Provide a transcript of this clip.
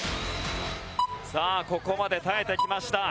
さあここまで耐えてきました。